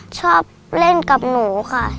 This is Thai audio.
ชอบเล่นกับหนูค่ะ